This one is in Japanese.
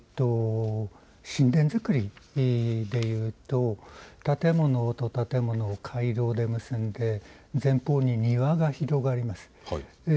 寝殿造りでいうと建物と建物を回廊で結んで前方に庭が広がります。